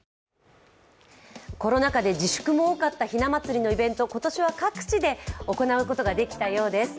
コロナ禍で自粛も多かったひな祭りのイベント、今年は各地で行うことができたようです。